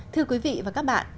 thưa quý vị và các bạn